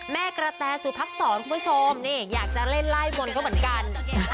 แม่กระแตสุพักษรคุณผู้ชมนี่อยากจะเล่นไล่มนต์เขาเหมือนกัน